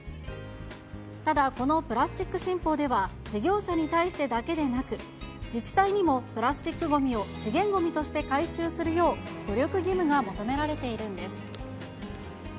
ただ、このプラスチック新法では、事業者に対してだけでなく、自治体にもプラスチックごみを資源ごみとして回収するよう努力義務が求められているんです。